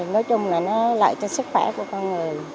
nói chung là nó lợi cho sức khỏe của con người